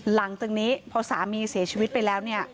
หลังจากนี้เพราะสามีเสียชีวิตไปแล้ว